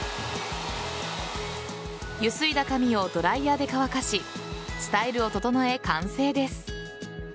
ゆすいだ髪をドライヤーで乾かしスタイルを整え、完成です。